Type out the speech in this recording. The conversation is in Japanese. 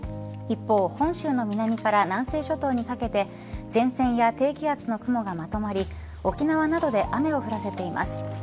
一方、本州の南から南西諸島にかけて前線や低気圧の雲がまとまり沖縄などで雨を降らせています。